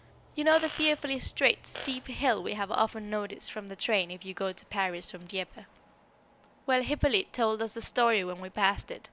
_" You know the fearfully straight, steep hill we have often noticed from the train if you go to Paris from Dieppe. Well, Hippolyte told us the story when we passed it.